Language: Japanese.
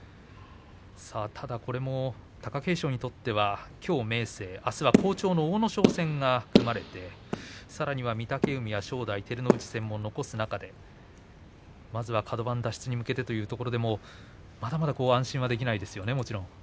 ただこれも貴景勝にとっては、きょう明生あす好調の阿武咲戦が組まれてさらには御嶽海や正代照ノ富士戦も残す中でまずはカド番脱出に向けてという中で、まだまだ安心はできないですよね。